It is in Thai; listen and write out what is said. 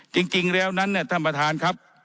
จริงแล้วนั้นเนี่ยท่านประธานครับ